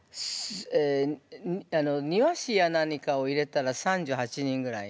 え庭師や何かを入れたら３８人ぐらい。